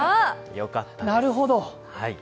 なるほど。